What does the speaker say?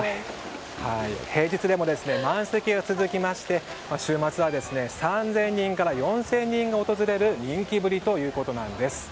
平日でも満席が続きまして週末は３０００人から４０００人が訪れる人気ぶりということなんです。